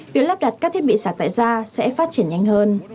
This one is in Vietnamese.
việc lắp đặt các thiết bị sạc tại ra sẽ phát triển nhanh hơn